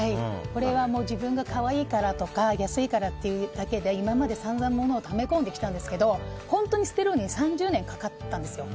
これは自分が、可愛いからとか安いからっていうだけで今までさんざん物をため込んできたんですけど本当に捨てるのに３０年かかったんですよ。